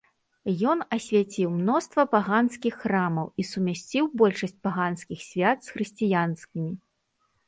Ён асвяціў мноства паганскіх храмаў і сумясціў большасць паганскіх свят з хрысціянскімі.